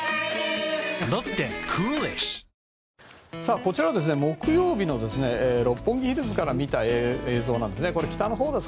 こちらは木曜日の六本木ヒルズから見た映像です。